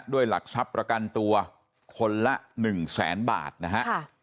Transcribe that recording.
ด้วยหลักทรัพย์ประกันตัวคนละ๑แสนบาทนะฮะ